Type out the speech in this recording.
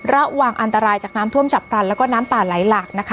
ระวังอันตรายจากน้ำท่วมฉับพลันแล้วก็น้ำป่าไหลหลากนะคะ